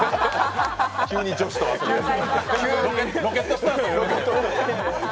急に女子と遊びだす。